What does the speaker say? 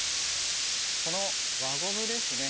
この輪ゴムですね